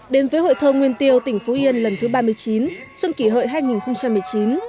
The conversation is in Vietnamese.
đến với hội thơ nguyên tiêu tỉnh phú yên lần thứ ba mươi chín xuân kỷ hợi hai nghìn một mươi chín